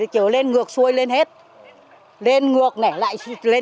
có chở đến trên này không ạ